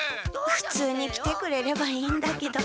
ふつうに来てくれればいいんだけど。